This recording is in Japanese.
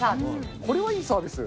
これはいいサービス。